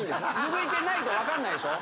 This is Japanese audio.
拭ってないと分かんないでしょ。